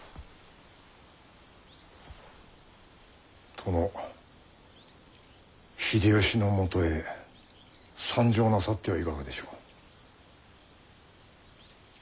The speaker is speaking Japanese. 殿秀吉のもとへ参上なさってはいかがでしょう。